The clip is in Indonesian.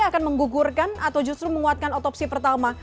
akan menggugurkan atau justru menguatkan otopsi pertama